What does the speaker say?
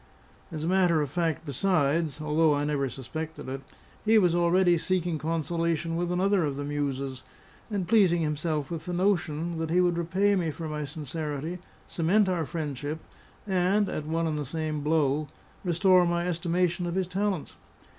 As a matter of fact besides (although I never suspected it) he was already seeking consolation with another of the muses, and pleasing himself with the notion that he would repay me for my sincerity, cement our friendship, and (at one and the same blow) restore my estimation of his talents.